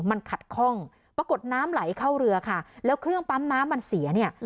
มันขัดคล่องปรากฏน้ำไหลเข้าเรือค่ะแล้วเครื่องปั๊มน้ำมันเสียเนี่ย